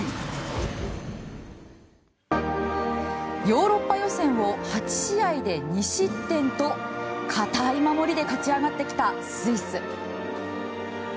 ヨーロッパ予選を８試合で２失点と堅い守りで勝ち上がってきたスイス。